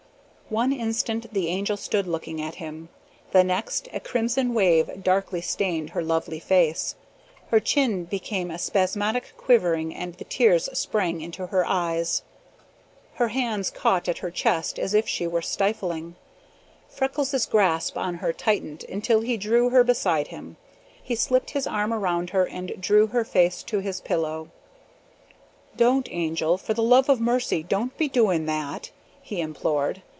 One instant the Angel stood looking at him. The next a crimson wave darkly stained her lovely face. Her chin began a spasmodic quivering and the tears sprang into her eyes. Her hands caught at her chest as if she were stifling. Freckles' grasp on her tightened until he drew her beside him. He slipped his arm around her and drew her face to his pillow. "Don't, Angel; for the love of mercy don't be doing that," he implored.